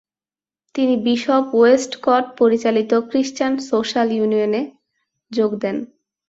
তিনি bishop Westcott পরিচালিত Christian social ইউনিয়নে যোগ দেন।